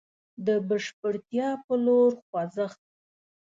د بشپړتيا په لور خوځښت.